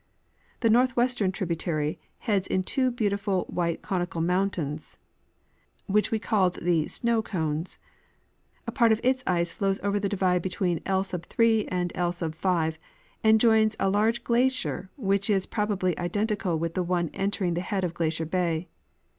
The northwest ern tributary heads in two beautiful white conical mountains, which we called the Snow cones. A part of its ice flows over the divide between /. and Z^, and joins a large glacier which is probably identical with the one entering the head of Glacier bay.